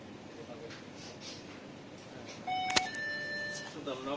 สวัสดีครับ